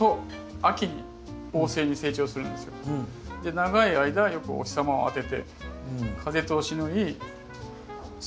長い間よくお日様を当てて風通しのいい外。